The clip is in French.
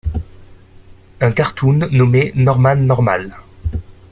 Un cartoon nommé Norman Normal.